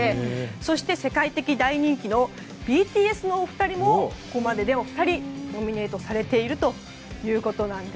そして、世界的大人気のＢＴＳのお二人もここまででノミネートされているということなんです。